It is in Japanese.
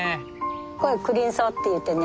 これクリンソウっていってね